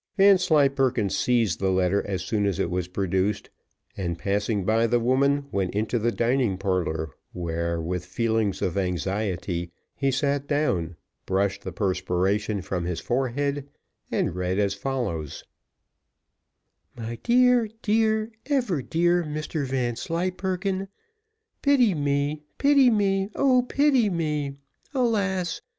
Vanslyperken seized the letter as soon as it was produced, and passing by the woman, went into the dining parlour, where, with feelings of anxiety, he sat down, brushed the perspiration from his forehead, and read as follows: "My dear, dear, ever dear Mr Vanslyperken, "Pity me, pity me, O pity me! Alas!